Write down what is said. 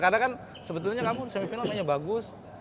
karena kan sebetulnya kamu semifinal mainnya bagus